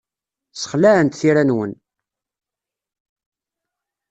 Ssexlaɛent tira-nwen.